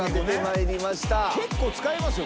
結構使いますよ